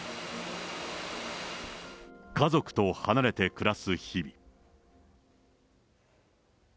家族と離れて暮らす日々。